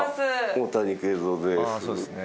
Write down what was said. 大谷桂三です。